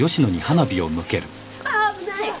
ああっ危ない！